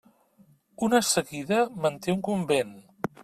Una seguida manté un convent.